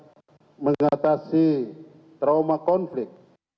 sambil mengatasi trauma konflik